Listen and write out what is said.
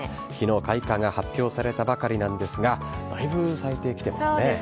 きのう、開花が発表されたばかりなんですが、だいぶ咲いてきてますね。